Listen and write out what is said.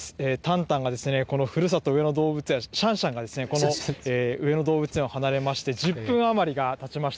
たんたんがふるさと、上野動物園、シャンシャンが、この上野動物園を離れまして、１０分余りがたちました。